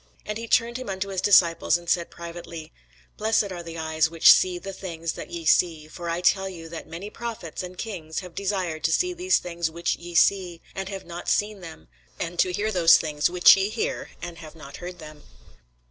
And he turned him unto his disciples, and said privately, Blessed are the eyes which see the things that ye see: for I tell you, that many prophets and kings have desired to see those things which ye see, and have not seen them; and to hear those things which ye hear, and have not heard them.